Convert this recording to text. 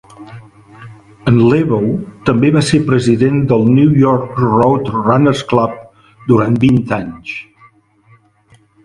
En Lebow també va ser president del New York Road Runners Club durant vint anys.